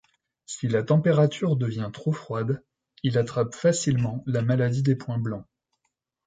Si la température devient trop froide, il attrape facilement la maladie des points blancs.